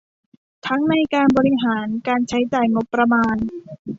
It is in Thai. ทั้งในการบริหาร การใช้จ่ายงบประมาน